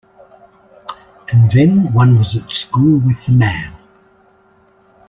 And then one was at school with the man.